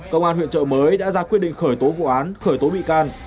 công an huyện trợ mới đã ra quyết định khởi tố vụ án khởi tố bị can